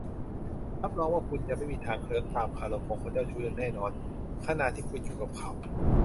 รับรองว่าคุณจะไม่มีทางเคลิ้มตามคารมของคนเจ้าชู้อย่างแน่นอน ขณะที่คุณอยู่กับเขา